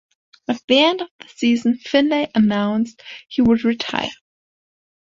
At the end of the season, Finley announced he would retire.